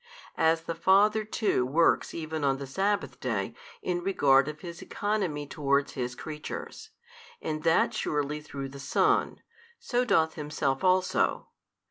As the Father too works even on the sabbath day in regard of His economy towards His creatures, and that surely through the Son, so doth Himself also.